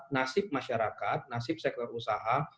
nasib masyarakat nasib sektor usaha